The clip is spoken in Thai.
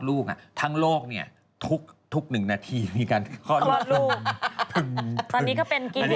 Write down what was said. อุ๊ยนี่เป็นน้ำค่ะ